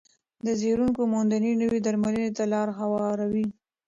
د څېړونکو موندنې نوې درملنې ته لار هواروي.